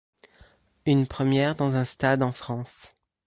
Une première dans un stade en France.